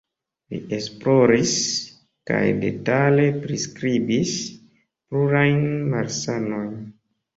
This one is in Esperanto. Li esploris kaj detale priskribis plurajn malsanojn.